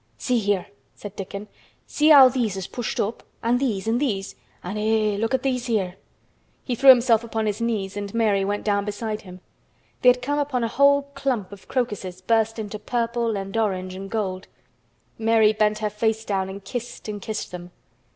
"See here!" said Dickon. "See how these has pushed up, an' these an' these! An' Eh! Look at these here!" He threw himself upon his knees and Mary went down beside him. They had come upon a whole clump of crocuses burst into purple and orange and gold. Mary bent her face down and kissed and kissed them.